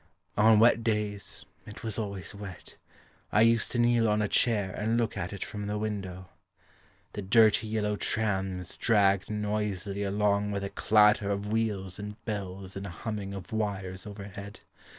On wet days it was always wet I used to kneel on a chair And look at it from the window. The dirty yellow trams Dragged noisily along With a clatter of wheels and bells And a humming of wires overhead.